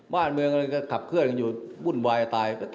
บ้านเมืองก็จะขับเครื่องอยู่บุ่นวายตาย